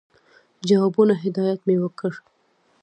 جوابونو هدایت مي ورکړ.